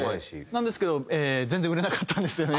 なんですけど全然売れなかったんですよね。